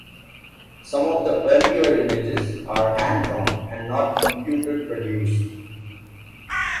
Some of the earlier images are hand drawn and not computer produced.